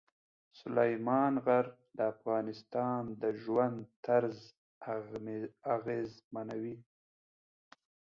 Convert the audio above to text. سلیمان غر د افغانانو د ژوند طرز اغېزمنوي.